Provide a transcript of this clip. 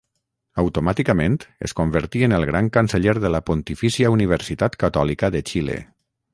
Automàticament es convertí en el Gran Canceller de la Pontifícia Universitat Catòlica de Xile.